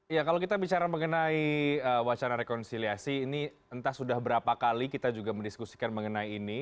ya kalau kita bicara mengenai wacana rekonsiliasi ini entah sudah berapa kali kita juga mendiskusikan mengenai ini